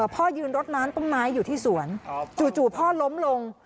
พ่อยืนรถน้ำต้นไม้อยู่ที่สวนจู่พ่อล้มลง